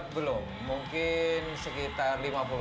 belum mungkin sekitar lima puluh